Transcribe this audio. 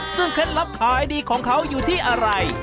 ซึ่งเคล็ดลับขายดีของเขาอยู่ที่อะไร